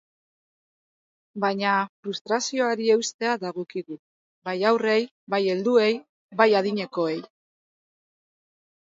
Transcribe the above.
Baina frustrazioari eustea dagokigu, bai haurrei, bai helduei, bai adinekoei.